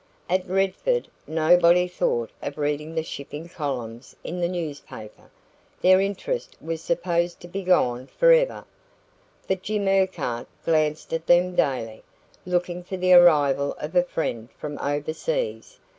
At Redford, nobody thought of reading the shipping columns in the newspaper their interest was supposed to be gone for ever; but Jim Urquhart glanced at them daily, looking for the arrival of a friend from overseas.